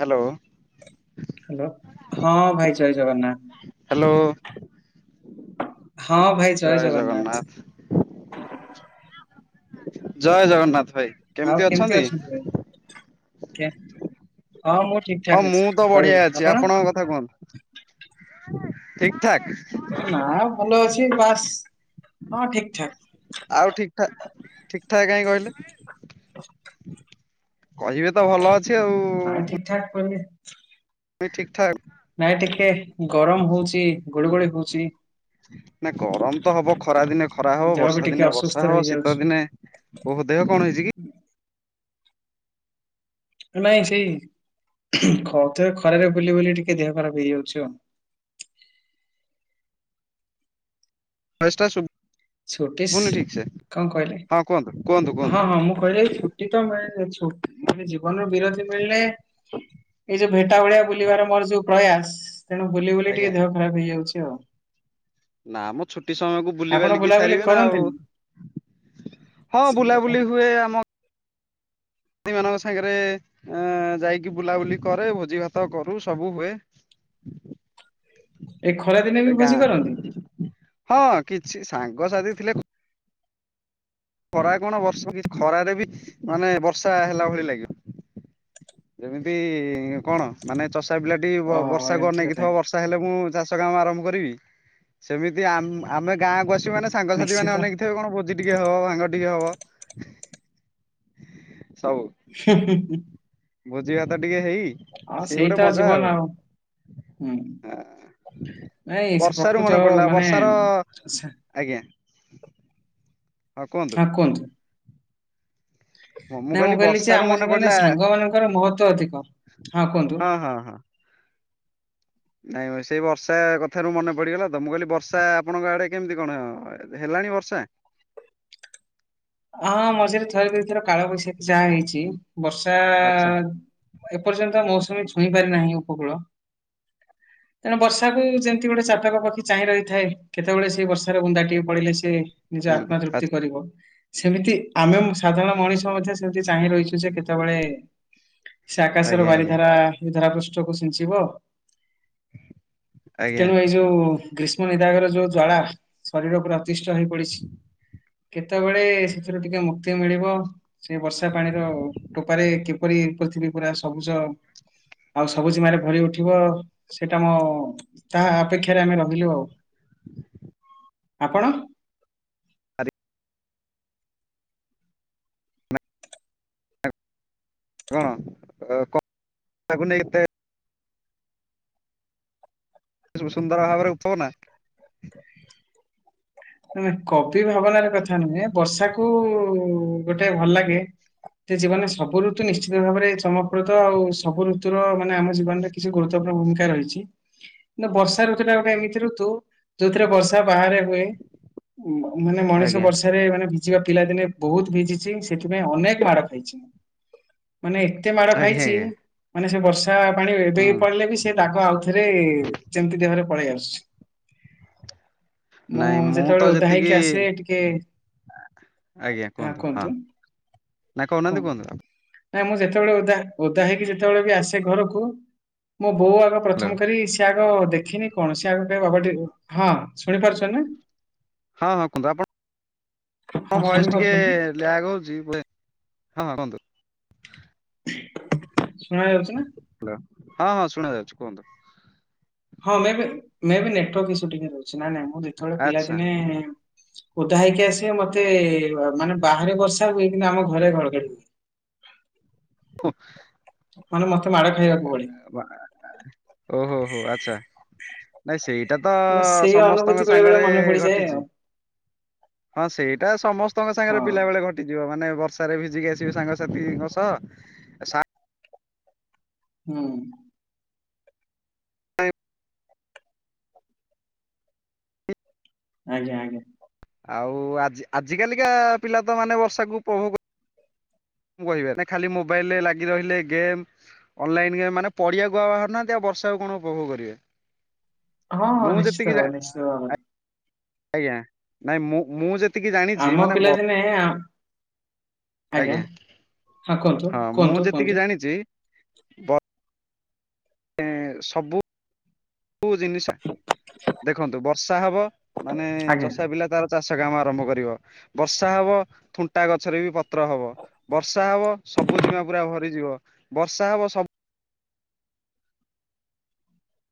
Hello. Hello, ହଁ ଭାଇ ଜୟ ଜଗନ୍ନାଥ। ହ୍ୟାଲୋ, ଜୟ ଜଗନ୍ନାଥ। ଜୟ ଜଗନ୍ନାଥ ଭାଇ। ଆଉ କେମତି ଅଛନ୍ତି ଭାଇ? ହଁ ମୁଁ ଠିକ ହଁ ଠାକ୍ ଅଛି ମୁଁ ତ ଚଳିବ ବଢିଆ ଅଛି ଆପଣ? ଆପଣଙ୍କ କଥା କୁହନ୍ତୁ ଠିକ୍ ଠାକ୍। ନା ଭଲ ଅଛି ବାସ୍ ହଁ ଠିକ୍‌ ଠାକ୍। ଆଉ ଠିକ୍‌ ଠା ଠିକ୍‌ ଠାକ୍‌ କାହିଁ କହିଲେ? କହିବେ ତ ଭଲ ଅଛି ଆଉ। ପାଇଁ ଠିକ୍‌ ଠାକ୍ କହିଲେ। ଭାଇ ଠିକ୍‌ ଠାକ୍। ନାଇଁ ଟିକେ ଗରମ ହଉଚି ଗୁଳୁ ଗୋଳି ହଉଚି। ନା ଗରମ ତ ହବ ଖରା ଦିନେ ଖରା ହବ। ଦେହ ବି ବର୍ଷା ଟିକେ ଦିନେ ଅସୁସ୍ଥ ବର୍ଷା ହବ। ହେଇଯାଉଛି। ଶୀତ ଦିନେ ଓହୋ ଦେହ କଣ ହେଇଛି କି? ନାଇଁ ସେଇ ଖଥିବ ଖରାରେ ବୁଲି ବୁଲି ଟିକେ ଦେହ ଖରାପ ହେଇଯାଉଛି ଆଉ। ଭଏସ ଟା ସୁୁ ଛୁଟିସ୍ କଣ କହିଲେ? ହଁ କୁହନ୍ତୁ କୁହନ୍ତୁ। କୁହନ୍ତୁ ହଁ ହଁ ମୁଁ କହିଲି ଛୁଟି ତ ମିଳିନି ଛୁଟି ମାନେ ଜୀବନରୁ ବିରତି ମିଳିଲେ? ଏଇ ଯୋଉ ଭେଟା ଭଳିଆ ବୁଲିବାର ମୋର ଯୋଉ ପ୍ରୟାସ। ତେଣୁ ବୁଲି ବୁଲି ଆଜ୍ଞା ଟିକେ ଦେହ ଖରାପ ହେଇଯାଉଛି ଆଉ। ନା ଆମ ଛୁଟି ସମୟକୁ ବୁଲି ଆପଣ ବାଲିକି ବୁଲାବୁଲି ସାରିବେ ନା ଆଉ। କରନ୍ତିନି? ହଁ ସେଇଆପା ବୁଲାବୁଲି ହୁଏ। ଆମ ସି ମାନଙ୍କ ସାଙ୍ଗରେ ଅ ଯାଇକି ବୁଲାବୁଲି କରେ। ଭୋଜି ଭାତ କରୁ ସବୁ ହୁଏ। ଏଇ ଖରା ଦିନେ ତାପରେ ବି ଗାଁ ଖସି ପାରନ୍ତି। ହଁ କିଛି ସାଙ୍ଗସାଥି ଥିଲେ ଖରା କଣ ବର୍ଷା କିଛି ଖରାରେ ବି ମାନେ ବର୍ଷା ହେଲା ଭଳି ଲାଗିବ। ଯେମିତି କଣ ମାନେ ଚଷା ପିଲାଟି ଓହୋ ବର୍ଷାକୁ ଏମିତି ଅନେଇକି କଥା ଥିବ। କି? ବର୍ଷା ହେଲେ ମୁଁ ଚାଷ କାମ ଆରମ୍ଭ କରିବି ସେମିତି ଆମେ ଗାଁ ବାସୀ ମାନେ ସାଙ୍ଗସାଥି ନିଶ୍ଚିତ ମାନ ଅନେଇକି ଥିବେ କଣ ଭୋଜି ଟିକେ ହବ ଭାଙ୍ଗ ଟିକେ ହବ ସବୁ। ହ ଭୋଜି ଭାତ ଟିକେ ହେଇ ଆଉ ସିଏ ସେଇ ଗୋଟେ ତ ମଜା ଜୀବନ ଆଉ ହୁଁ। ନାଇଁ ସେ ବର୍ଷାରୁ ମନେ ପ୍ରକୃଚ ପଡିଲା ମାନେ ବର୍ଷାର ଆଛା। ଆଜ୍ଞା ହଁ କୁହନ୍ତୁ। ନା ମୁଁ କହିଲି ଯେ ବର୍ଷାରୁ ଆମ ମନେ ଜୀବନରେ ପଡିଲା ସାଙ୍ଗ ମାନଙ୍କର ମହତ୍ବ ଅଧିକ ହଁ କୁହନ୍ତୁ। ହଁ ହଁ। ନାଇଁ ମ ସେଇ ବର୍ଷା କଥାରୁ ମନେ ପଡ଼ିଗଲା ତ ମୁଁ କହିଲି ବର୍ଷା ଆପଣଙ୍କ ଆଡେ କେମିତି କଣ ଅ ଏ ହେଲାଣି ବର୍ଷା? ହଁ ମଝିରେ ଥରେ ଦୁଇଥର କାଳବୈଶାଖୀ ଯା ହେଇଚି ବର୍ଷା। ଆଚ୍ଛା ଏପର୍ଯ୍ୟନ୍ତ ମୌସୁମୀ ଛୁଇଁ ପାରି ନାହିଁ ଉପକୂଳ। ତେଣୁ ବର୍ଷାକୁ ଯେମିତି ଗୋଟେ ଚାତକ ପକ୍ଷୀ ଚାହିଁ ରହିଥାଏ କେତେବେଳେ ସେ ବର୍ଷାର ବୁନ୍ଦା ଟିକେ ପଡିଲେ ସେ ନିଜେ ହୁଁ ଆତ୍ମା ତୃପ୍ତି ଆଚ୍ଛା କରିବ। ସେମିତି ଆମେମ୍ ସାଧାରଣ ମଣିଷ ମଧ୍ୟ ସେମିତି ଚାହିଁ ରହିଚୁ ଯେ କେତେବେଳେ ସେ ଆକାଶର ଆଜ୍ଞା ଆଜ୍ଞା ବାରିଧାରା ଏ ଧରାପୃଷ୍ଟକୁ ସିଞ୍ଚିବ। ଆଜ୍ଞା ତେଣୁ ଏଇ ଯୋଉ ଗ୍ରୀଷ୍ମ ନିଦାଗର ଯୋଉ ଜ୍ୱାଳା ଶରୀର ଉପରେ ଅତିଷ୍ଠ ହେଇ ପଡିଚି। କେତବେଳେ ସେଥିରୁ ଟିକେ ମୁକ୍ତି ମିଳିବ। ସେ ବର୍ଷା ପାଣିର ଟୋପାରେ କିପରି ପୃଥିବୀ ପୁରା ସବୁଜ। ଆଉ ସବୁଜିମାରେ ଭରି ଉଠିବ ସେଟା ମୋ ତାହା ଅପେକ୍ଷାରେ ଆମେ ରହିଲୁ ଆଉ। ଆପଣ? ଆରେ କଣ [unintelligible] ସୁ ସୁନ୍ଦର ଭାବରେ [unintelligible] ନା ନା କବି ଭାବନାର କଥା ନୁହେଁ ବର୍ଷାକୁ ଗୋଟେ ଭଲ ଲାଗେ। ତେ ଜୀବନରେ ସବୁ ଋତୁ ନିଶ୍ଚିତ ଭାବରେ ଚମକୃତ ଆଉ ସବୁ ଋତୁର ମାନେ ଆମ ଜୀବନରେ କିଛି ଗୁରୁତ୍ଵପୂର୍ଣ୍ଣ ଭୂମିକା ରହିଚି। ନା ବର୍ଷା ଋତୁଟା ଗୋଟେ ଏମିତି ଋତୁ ଯୋଉଥେରେ ବର୍ଷା ବାହାରେ ବି ମ ମାନେ ମଣିଷ ଆଜ୍ଞା ବର୍ଷ ଆରେ ମାନେ ଭିଜିବା ପିଲାଦିନେ ବୋହୁତ ଭିଜିଚି ସେଥିପାଇଁ ଅନେକ ମାଡ ଖାଇଚି, ମାନେ ଏତେ ମାଡ ଆଜ୍ଞା ଖାଇଚି ଆଜ୍ଞା ମାନେ ସେ ବର୍ଷା ପାଣି ଏବେ ବି ହୁଁ ପଡିଲେ ବି ସେ ଦାଗ ଆଉଥରେ ଯେମିତି [unintelligible] ଦେହରେ ପଳେଇଆସୁଚି। ମୁଁ ନାଇଁ ଯେତେବେଳେ ତ ଓଦା ଯେତିକି ହେଇକି ଆସେ ଟିକେ ଆଜ୍ଞା କୁହନ୍ତୁ ହଁ ନା କହୁନାଆନ୍ତି କୁହନ୍ତୁ? ନାଇଁ ମୁଁ ଯେତେବେଳେ ଓଦା ଓଦା ହେଇକି ଯେତେବେଳେ ବି ଆସେ ଘରକୁ ମୋ ବୋଉ ଆଗ ହ୍ୟାଲୋ ପ୍ରଥମ କରି ସିଏ ଆଗ ଦେଖିନି କଣ ସିଏ ଆଗ କଇବ [unintelligible] ହଁ ଶୁଣି ପାରୁଛନି ନା ହଁ ହଁ କୁହନ୍ତୁ ଆପଣ ମୋ ହଁ ଭଏସ୍ ଟିକେ ଶୁଣିପାରୁଛନ୍ତି ନା? ଲ୍ୟାଗ ହଉଚି ବେ ହଁ ହଁ କୁହନ୍ତୁ। ଶୁଣାଯାଉଚି ପା? ହାଲୋ ହଁ ହଁ ଶୁଣାଯାଉଚି କୁହନ୍ତୁ। ହଁ maybe maybe network issue ଟିକେ ରହୁଛି, ନାଇଁ ନାଇଁ ନାଇଁ ମୁଁ ଯେତବେଳେ ଆଚ୍ଛା ପିଲାଦିନେ ଓଦା ହେଇକି ଆସିବେ ମତେ ମାନେ ବାହାରେ ବର୍ଷା ହୁଏ, କିନ୍ତୁ ଆମ ଘରେ ଘଡଘଡି ହୁଏ। [unintelligible] ମାନେ ମତେ ମାଡ ଖାଇବାକୁ ପଡେ। ଓହୋ ଓହୋ ହୋ ଆଚ୍ଛା। ନାଇଁ ସେଇଟା ତ ହେଲେ ସେଇ ଅନୁଭୂତି ସମସ୍ତଙ୍କ ବେଳେ ବେଳେ ସାଙ୍ଗରେ ମନେ ପଡିଯାଏ ଆଉ ଘଟିଚି। ହଁ ସେଇଟା ସମସ୍ତଙ୍କ ସାଙ୍ଗେରେ ହଁ। ପିଲାବେଳେ ଘଟ୍ [unintelligible] ମାନେ ବର୍ଷାରେ ଭିଜିକି ଆସିବେ ସାଙ୍ଗସାଥିଙ୍କ ସହ ହୁଁ। ଆଜ୍ଞା ଆଜ୍ଞା। ଆଉ ଆଜି ଆଜି କାଲିକା ପିଲା ତ ମାନେ ବର୍ଷାକୁ ଉପଭୋଗ [unintelligible] ନାଇ ଖାଲି ମୋବାଇଲରେ ଲାଗି ରହିଲେ ଗେମ୍ ଅନଲାଇନ୍ ଗେମ୍ ମାନେ ପଡିଆକୁ ଆଉ ବାହାରୁ ନାହାନ୍ତି ଆଉ ବର୍ଷାକୁ କଣ ଉପଭୋଗ କରିବେ। ହଁ ହଁ ମୁଁ ଯେତିକି ନିଶ୍ଚିତ ଜା ଭାବେ ନିଶ୍ଚିତ ଭାବରେ। ଆଜ୍ଞା ନାଇଁ ମୁଁ ମୁଁ ଯେ ଆମ ପିଲାଦିନେ ଆ ଆଜ୍ଞା ହଁ କୁହନ୍ତୁ କୁହନ୍ତୁ କୁହନ୍ତୁ? ନିଜେ ଏଁ ସବୁ ବୁ ଜିନିଷ ଦେଖନ୍ତୁ ବର୍ଷା ହବ ମାନେ ଆଜ୍ଞା। ଚଷା ପିଲା ତାର ଚାଷ କାମ ଆରମ୍ଭ କରିବ। ବର୍ଷା ହବ ଥୁଣ୍ଟା ଗଛରେ ବି ପତ୍ର ହବ। ବର୍ଷା ହବ ସବୁ ଜିମା ପୁରା ଭରି ଯିବ, ବର୍ଷା ହବ ସବ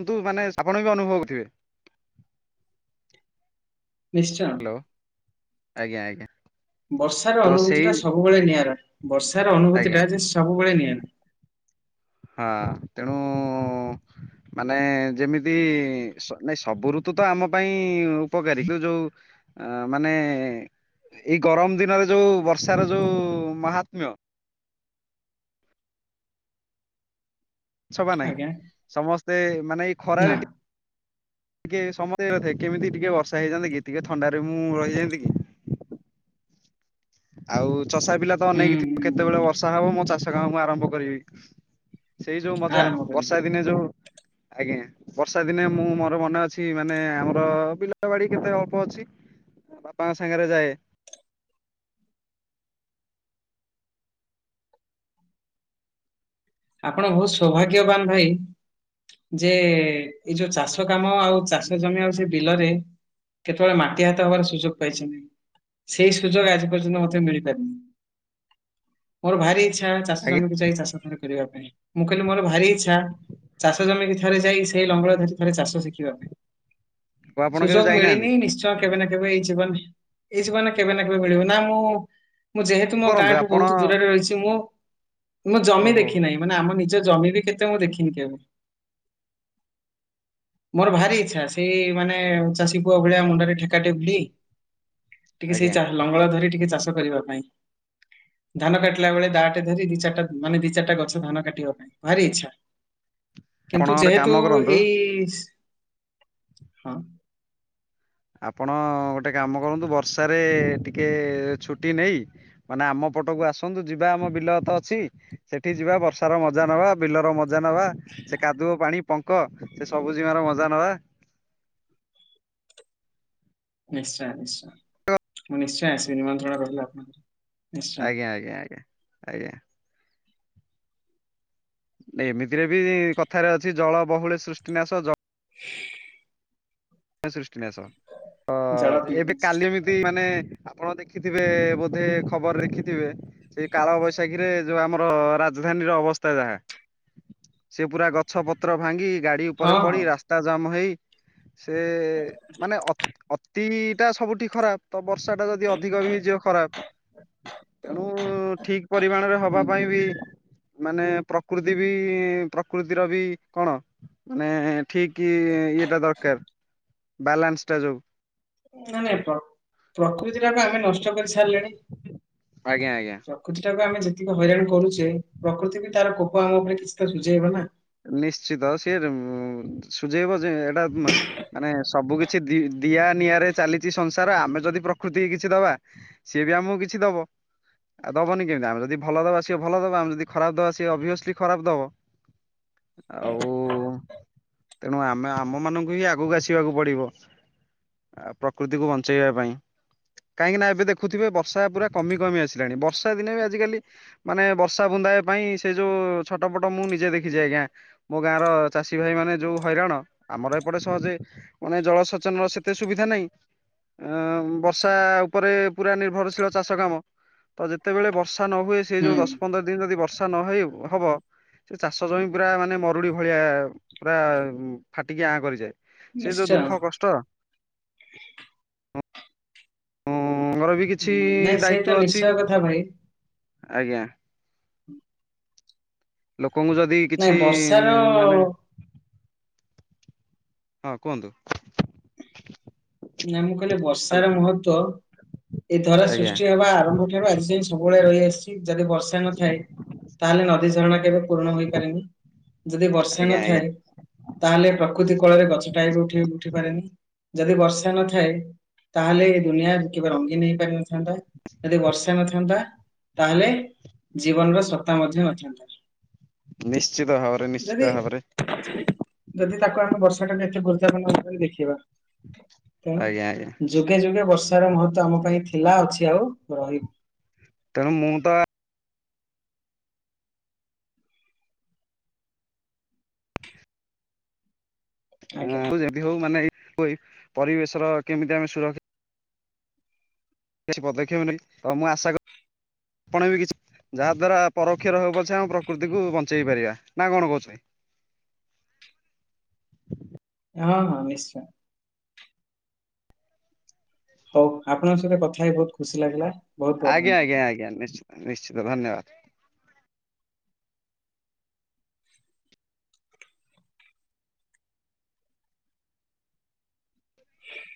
କିନ୍ତୁ ମାନେ ଆପଣ ବି ଅନୁଭବ କରିବେ। ନିଶ୍ଚୟ। ହ୍ୟାଲୋ, ଆଜ୍ଞା, ଆଜ୍ଞା। ବର୍ଷା ର ତ ଅନୁଭୂତି ସେଇ ଟା ସବୁବେଳେ ନିଆରା, ବର୍ଷା ର ଅନୁଭୂତି ଆଜ୍ଞା ଟା ଯେ ସବୁବେଳେ ନିଆରା। ହଁ ତେଣୁ ମାନେ ଯେମିତି ସ-ନାଇଁ ସବୁ ଋତୁ ତ ଆମ ପାଇଁ ଉପକାରୀ। କିନ୍ତୁ ଯୋଉ ଆଁ, ମାନେ ଏଇ ଗରମ ଦିନରେ ଯୋଉ ବର୍ଷାର ଯୋଉ ମାହାତ୍ମ୍ୟ ଛ ବା ନାଇଁ ଆଜ୍ଞା ସମସ୍ତେ ମାନେ ଏଇ ନା ଖରାରେ ଟି ଟିକେ ସମସ୍ତେ ନଥାଏ କେମିତି ଟିକେ ବର୍ଷା ହେଇଯାନ୍ତା କି ଟିକେ ଥଣ୍ଡାରେ ମୁଁ ରହିଯାନ୍ତି କି। ଆଉ ଚଷା ପିଲା ତ ହୁଁ ଅନେଇକି ହୁଁ ଥିବ କେତେବେଳେ ହୁଁ। ବର୍ଷା ହବ ମୋ ଚାଷ କାମ ମୁଁ ଆରମ୍ଭ କରିବି। ସେଇ ଯୋଉ ମଜା ଆରମ୍ଭ କରିବି ବର୍ଷା ଦିନେ ଯୋଉ ଆଜ୍ଞା ବର୍ଷା ଦିନେ ମୁଁ ମୋର ମନେ ଅଛି ମାନେ ଆମର ବିଲ ବାଡି କେତେ ଅଳ୍ପ ଅଛି। ମୋ ବାପାଙ୍କ ସାଙ୍ଗରେ ଯାଏ। ଆପଣ ବହୁତ ସୌଭାଗ୍ୟବାନ ଭାଇ। ଯେ ଏଇ ଯୋଉ ଚାଷ କାମ ଆଉ ଚାଷ ଜମି ଆଉ ସେ ବିଲରେ କେତେବେଳେ ମାଟି ହାତ ହବାର ସୁଯୋଗ ପାଇଛନ୍ତି। ସେଇ ସୁଯୋଗ ଆଜି ପର୍ଯ୍ୟନ୍ତ ମୋତେ ମିଳି ପାରିନି। ମୋର ଭାରି ଇଚ୍ଛା ଚାଷ ଆଜ୍ଞା ଜମିକୁ ଯାଇ ଚାଷ ଥରେ କରିବା ପାଇଁ। ମୁଁ କହିଲି ମୋର ଭାରି ଇଚ୍ଛା ଚାଷ ଜମିକି ଥରେ ଯାଇ ସେଇ ଲଙ୍ଗଳ ଧରି ଥରେ ଚାଷ ଶିଖିବା ପାଇଁ। ଆପଣ କେବେ ସୁଯୋଗ ମିଳିନି ଯାଇନାହାନ୍ତି ନିଶ୍ ଛ କେବେ ନା କେବେ ଏଇ ଜୀବନେ, ଏଇ ଜୀବନ ରେ କେବେ ନା କେବେ ମିଳିବ, ନା ମୁଁ କଣ ମୁଁ ଯେହେତୁ ମୋ କରନ୍ତୁ ଗାଁ ଠୁ ଆପଣ ବହୁତ ଦୂରରେ ରହିଛି, ମୁଁ ମୁଁ ଜମି ଓହୋ ଦେଖି ନାଇଁ ମାନେ ଆମ ନିଜ ଜମି ବି କେତେ ମୁଁ ଦେଖିନି କେବେ। ମୋର ଭାରି ଇଚ୍ଛା ସେଇ ମାନେ ଚାଷୀ ପୁଅ ଭଳିଆ ମୁଣ୍ଡରେ ଠେକାଟେ ଭିଡ଼ି ଟିକେ ସେଇ ଆଜ୍ଞା ଚା- ଲଙ୍ଗଳ ଧରି ଟିକେ ଚାଷ କରିବା ପାଇଁ। ଧାନ କାଟିଲ ବେଳେ ଦାଟେ ଧରି ଦି ଚାରଟା ମାନେ ଦି ଚାରଟା ଗ କାଟିବା ପାଇଁ ଭାରି ଇଚ୍ଛା। ଆପଣ କିନ୍ତୁ ଗୋଟେ ଯେହେତୁ କାମ କରନ୍ତୁ ଏଇ ହଁ। ଆପଣ ଗୋଟେ କାମ କରନ୍ତୁ ବର୍ଷାରେ ଟିକେ ଛୁଟି ନେଇ ମାନେ ଆମ ପଟକୁ ଆସନ୍ତୁ ଯିବା ଆମ ବିଲ ତ ଅଛି। ସେଠି ଯିବା ବର୍ଷା ର ମଜା ନବା, ବିଲର ମଜା ନବା। ସେ କାଦୁଅ, ପାଣି, ପଙ୍କ ସେ ସବୁଜିମାର ମଜା ନବା। ନିଶ୍ଚୟ ନିଶ୍ଚୟ ମୁଁ ନିଶ୍ଚୟ ଆସିବି ନିମନ୍ତ୍ରଣ ରହିଲା ଆପଣଙ୍କର। ନିଶ୍ଚୟ ଆଜ୍ଞା, ଆଜ୍ଞା, ଆଜ୍ଞା, ଆଜ୍ଞା। ଟେ ଏମିତିରେ ବି କଥାରେ ଅଛି ଜଳ ବହୁଳେ ସୃଷ୍ଟିନାଶ ଜ [inaudible] ଳ ସୃଷ୍ଟି ନାସ ତ ଜଳ ଯେ ପିଇବି ଏବେ ନିଶ୍ଚୟ। କାଲି ଏମିତି ମାନେ ଆପଣ ଦେଖିଥିବେ ବୋଧେ ଖବର ଦେଖିଥିବେ, ସେ କାଳ ବୈଶାଖୀ ରେ ଯୋଉ ଆମର ରା ଜଧାନୀର ଅବସ୍ଥା ଯାହା, ସେ ପୁରା ଗଛ ପତ୍ର ଭାଙ୍ଗି ଗାଡି ଉପରେ ହଁ ହଁ ପଡି ରାସ୍ ତା ଜାମ ହେଇ, ସେ ମାନେ ଅ, ଅତି ଟା ସବୁଠି ଖରାପ। ତ ବର୍ଷା ଟା ଯଦି ଅଧିକ ବି ହେଇଯିବ ଖରାପ। ତେଣୁ ଠିକ ପରିମାଣରେ ହୁଁ ହବା ପାଇଁ ବି ନାଇଁ ମାନେ ପ୍ରକୃତି ବି ପ୍ରକୃତିର ବି କଣ ମାନେ ଠିକି ଇଏଟା ଦରକାର ବାଲାନ୍ସ ଟା ଯୋଉ। ନାଇଁ ନାଇଁ ପ-ପ୍ରକୃତି ଟାକୁ ଆମେ ନଷ୍ଟ କରି ସାରଲେଣି। ଆଜ୍ଞା, ଆଜ୍ଞା। ପ୍ରକୃତି ଟାକୁ ଆମେ ଯେତିକି ହଇରାଣ କରୁଛେ ପ୍ରକୃତି ବି ତାର କୋପ ଆମ ଉପରେ କିଛି ତ ସୁଝେଇବ ନା। ନିଶ୍ଚିତ ସିଏ ସୁଝେଇବ ଯେ ଏଟା ମାନେ ସବୁ କିଛି ଦି ଦିଆ ନିଆରେ ଚାଲିଛି ସଂସାର ଆମେ ଯଦି ପ୍ରକୃତି କି କିଛି ଦବା ସିଏ ବି ଆମକୁ କିଛି ଦବ। ଆଉ ଦବନି କେମିତି ଆମେ ଯଦି ଭଲ ଦବା ସିଏ ଭଲ ଦବ ଆମ ଯଦି ଖରାପ ଦବା ସେ ଅଭିଅସଲି ଖରାପ ଦବ। ଆଉ ତେଣୁ ଆମେ ଆମ ମାନଙ୍କୁ ହିଁ ଆଗକୁ ଆସିବାକୁ ପଡିବ। ଆ ପ୍ରକୃତିକୁ ବଞ୍ଚେଇବା ପାଇଁ। କାହିଁକି ନା ଏବେ ଦେଖୁଥିବେ ବର୍ଷା ପୁରା କମି -କମି ଆସିଲାଣି, ବର୍ଷା ଦିନେ ବି ଆଜିକାଲି ମାନେ ବର୍ଷା ବୁନ୍ଦାଏ ପାଇଁ ସେ ଯୋଉ ଛଟ ପଟ ମୁଁ ନିଜେ ଦେଖିଛି ଆଜ୍ଞା। ମୋ ଗାଁ ର ଚାଷୀ ଭାଇ ମାନେ ଯୋଉ ହଇରାଣ ଆମର ଏପଟେ ସହଜେ ମାନେ ଜଳସେଚନର ସେତେ ସୁବିଧା ନାହିଁ। ଆଁ ବର୍ଷା ଉପରେ ପୁରା ନିର୍ଭରଶୀଳ ଚାଷ କାମ। ତ ଯେତେବେଳେ ବର୍ଷା ନ ହୁଏ ସେ ହୁଁ ଯୋଉ ଦଶ ପନ୍ଦର ଦିନ ଯଦି ବର୍ଷା ନହଇ ହବ, ସେ ଚାଷ ଜମି ପୁରା ମାନେ ମରୁଡି ଭଳିଆ ପୁରା ଫାଟିକି ଆଁ କରିଯାଏ, ସେ ଯୋଉ ନିଶ୍ଚୟ ଦୁଃଖ କଷ୍ଟ ମୋର ବି କିଛି ହୁଁ, ନାଇଁ ସେ ତ ଦାୟିତ୍ବ ଅଛି, ନିଶ୍ଚୟ କଥା ଭାଇ ଆଜ୍ଞା। ଲୋକଙ୍କୁ ଯଦି ନାଇଁ କିଛି ବର୍ଷାର ମାନେ ହଁ କୁହନ୍ତୁ। ନା ମୁଁ କହିଲି ହାଲୋ ବର୍ଷାର ମହତ୍ବ ଏ ଧରା ଆଜ୍ଞା ସୃଷ୍ଟି ହବା ଆରମ୍ଭ ଆଜି ଯାଇଁ ସବୁବେଳେ ରହି ଆସିଛି, ଯଦି ବର୍ଷା ନଥାଏ ତାହେଲେ ନଦୀ ଝରଣା କେବେ ପୂରଣ ହୋଇ ପାରେନି, ଯଦି ବର୍ଷା ଆଜ୍ଞା ଆଜ୍ଞା ନଥାଏ ତାହେଲେ ପ୍ରକୃତି କୋଳରେ ଗଛଟାଏ ବି ଉଠି ଉଠି ପାରେନି, ଯଦି ବର୍ଷେ ନଥାଏ ତାହେଲେ ଏ ଦୁନିଆ କେବେ ରଙ୍ଗୀନ ହେଇପାରି ନଥାନ୍ତା, ଯଦି ବର୍ଷା ନଥାନ୍ତା ତାହେଲେ ଜୀବନର ସତା ମଧ୍ୟ ନଥାନ୍ତା। ନିଶ୍ଚିତ ଭାବରେ ଯଦି ନିଶ୍ଚିତ ଭାବରେ। ଯଦି ତାକୁ ଆମେ ବର୍ଷା ଟାକୁ ଏତେ ଗୁରୁତ୍ୱପୂର୍ଣ୍ଣ ଭାବରେ ଦେଖିବା। ତେଣୁ ଆଜ୍ଞା ଆଜ୍ଞା। ଯୁଗେ ଯୁଗେ ବର୍ଷାର ମହତ୍ବ ଆମ ପାଇଁ ଥିଲା ଅଛି ଆଉ ରହିବ। ତେଣୁ ମୁଁ ତ ଆଜ୍ଞା ହ ଯେମତି ହଉ ମାନେ ପରି ପରିବେଶର କେମିତି ଆମେ ସୁରକ୍ଷା କିଛି ପଦକ୍ଷେପ ନାହିଁ ତ ମୁଁ ଆଶା କରଛି ଆପଣ ବି କିଛି ଯାହା ଦ୍ଵାରା ପରୋକ୍ଷର ହଉ ପଛେ ଆମେ ପ୍ରକୃତିକୁ ବଞ୍ଚେଇ ପାରିବା ନା କଣ କହୁଛ ଭାଇ? ହଁ, ହଁ ନିଶ୍ଚୟ। ହଉ ଆପଣଙ୍କ ସହିତ କଥା ହେଇ ବହୁତ ଖୁସି ଲାଗିଲା। ବହୁତ ବହୁତ ଆଜ୍ଞା, ଧନ୍ୟବାଦ। ଆଜ୍ଞା, ଆଜ୍ଞା ନିଶ୍ଚିତ- ନିଶ୍ଚିତ ଧନ୍ୟବାଦ। [inaudible]